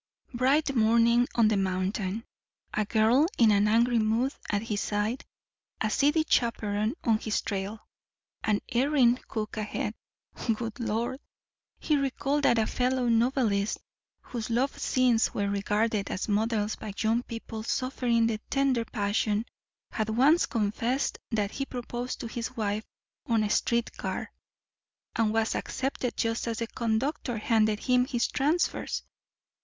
Bright morning on the mountain, a girl in an angry mood at his side, a seedy chaperon on his trail, an erring cook ahead. Good lord! He recalled that a fellow novelist, whose love scenes were regarded as models by young people suffering the tender passion, had once confessed that he proposed to his wife on a street car, and was accepted just as the conductor handed him his transfers.